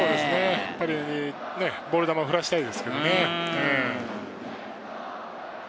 やっぱりボール球を振らしたいですけどね。